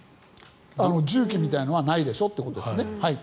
重機みたいなのはないでしょってことですね。